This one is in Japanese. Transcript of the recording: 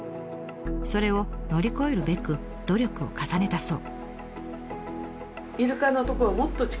それを乗り越えるべく努力を重ねたそう。